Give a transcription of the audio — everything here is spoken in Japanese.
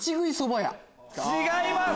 違います。